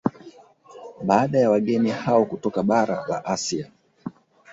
Baada ya wageni hao kutoka bara la Asia